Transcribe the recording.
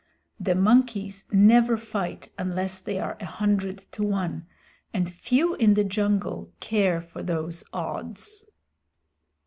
The monkeys never fight unless they are a hundred to one, and few in the jungle care for those odds.